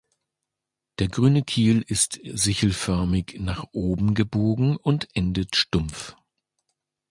Der grüne Kiel ist sichelförmig nach oben gebogen und endet stumpf.